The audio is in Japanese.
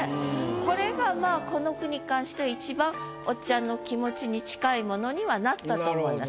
これがまあこの句に関しては１番おっちゃんの気持ちに近いものにはなったと思います。